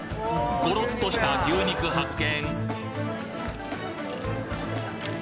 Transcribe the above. ゴロッとした牛肉発見